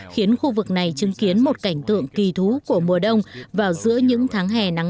khiến khu vực này chứng kiến một cảnh tượng kỳ thú của mùa đông vào giữa những tháng hè nắng